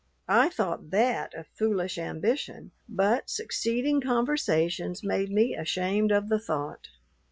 I thought that a foolish ambition, but succeeding conversations made me ashamed of the thought.